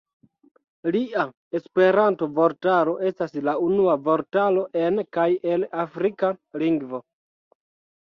Lia Esperanto-vortaro estas la unua vortaro en kaj el afrika lingvo.